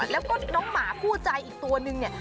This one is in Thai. แล้วก็น้องหมาคู่ใจอีกตัวนึงเนี่ย